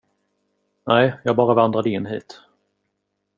Nej, jag bara vandrade in hit.